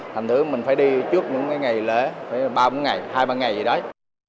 thành thứ mình phải đi trước những ngày lỡ ba bốn ngày hai ba ngày gì đấy